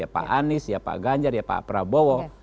pak anies pak ganjar pak prabowo